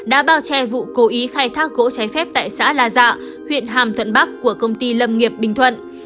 đã bao che vụ cố ý khai thác gỗ trái phép tại xã la dạ huyện hàm thuận bắc của công ty lâm nghiệp bình thuận